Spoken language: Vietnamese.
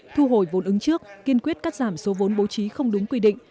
thu hồi vốn ứng trước kiên quyết cắt giảm số vốn bố trí không đúng quy định